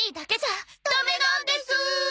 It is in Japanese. ダメなんです！